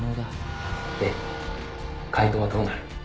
「で解答はどうなる？」